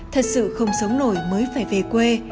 thật sự không sống nổi mới phải về quê